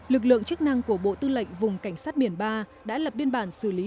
lực lượng chức năng của bộ tư lệnh vùng cảnh sát biển ba đã lập biên bản xử lý